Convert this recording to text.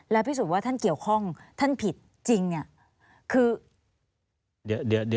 แล้วพิสูจน์ว่าท่านเกี่ยวข้องท่านผิดจริงคือ